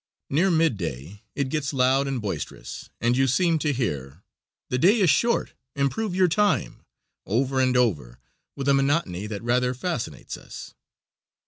Near mid day it gets loud and boisterous, and you seem to hear: "The day is short, improve your time," over and over with a monotony that rather fascinates us.